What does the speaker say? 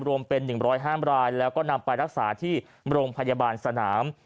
รวมเป็นหนึ่งร้อยห้ามรายแล้วก็นำไปรักษาที่โมโรงพยาบาลสนาม